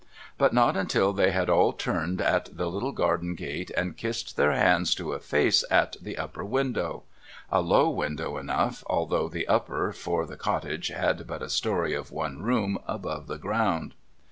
But not until they had all turned at the little garden gate, and kissed their hands to a face at the upper window : a low window enough, although the upper, for the cottage had but a story of one room above the ground.